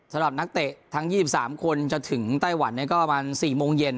สำหรับนักเตะทั้ง๒๓คนจะถึงไต้หวันก็ประมาณ๔โมงเย็น